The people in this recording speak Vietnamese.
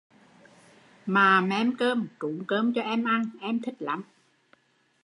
Mạ mem cơm, trún cơm cho em ăn, em thích lắm